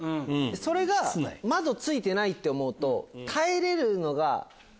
それが窓付いてないって思うと。